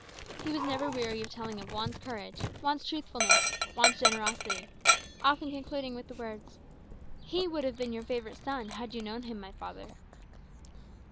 He was never weary of telling of Juan's courage, Juan's truthfulness, Juan's generosity; often concluding with the words, "He would have been your favourite son, had you known him, my father."